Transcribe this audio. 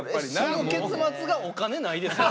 その結末が「お金ない」ですよ。